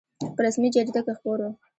په رسمي جریده کې خپور او